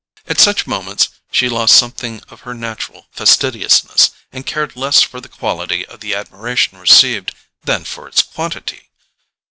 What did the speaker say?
At such moments she lost something of her natural fastidiousness, and cared less for the quality of the admiration received than for its quantity.